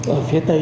ở phía tây